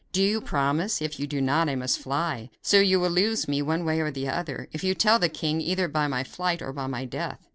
Do you promise? If you do not, I must fly; so you will lose me one way or the other, if you tell the king; either by my flight or by my death."